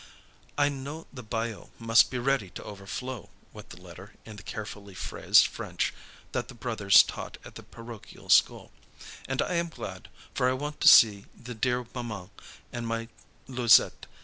"I know the bayou must be ready to overflow," went the letter in the carefully phrased French that the brothers taught at the parochial school, "and I am glad, for I want to see the dear maman and my Louisette.